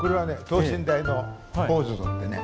等身大のポーズとってね